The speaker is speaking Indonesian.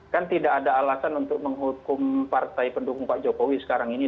kan tidak ada alasan untuk menghukum partai pendukung pak jokowi sekarang ini